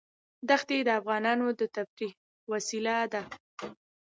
دښتې د افغانانو د تفریح وسیله ده.